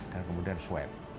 dan kemudian swab